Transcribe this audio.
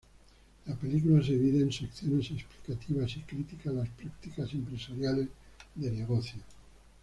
La película se divide en secciones explicativas y critica las prácticas empresariales de negocios.